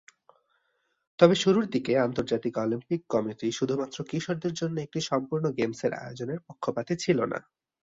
তবে শুরুর দিকে আন্তর্জাতিক অলিম্পিক কমিটি শুধুমাত্র কিশোরদের জন্য একটি সম্পূর্ণ গেমসের আয়োজনের পক্ষপাতী ছিল না।